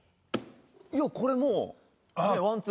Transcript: いやこれもう１２。